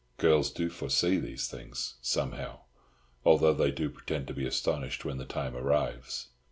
Girls do foresee these things, somehow; although they do pretend to be astonished when the time arrives.